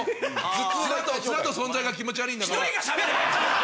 普通だと存在が気持ち悪ぃんだから。